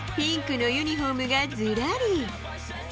ピンクのユニホームがずらり。